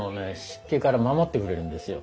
湿気から守ってくれるんですよ。